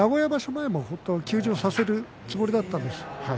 前も休場させるつもりだったんです。